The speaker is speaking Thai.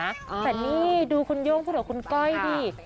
แต่นี่ดูคุณโย่งพูดกับคุณก้อยดิ